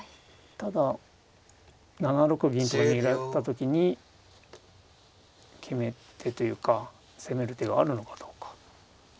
ただ７六銀とか逃げられた時に決め手というか攻める手があるのかどうか。